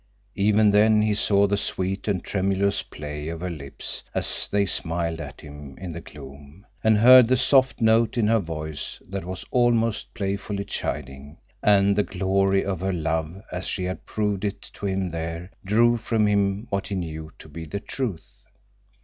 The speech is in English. Even then he saw the sweet and tremulous play of her lips as they smiled at him in the gloom, and heard the soft note in her voice that was almost playfully chiding; and the glory of her love as she had proved it to him there drew from him what he knew to be the truth.